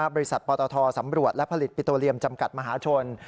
บริษัทปตทสำรวจและผลิตปิโตเรียมจำกัดมหาชน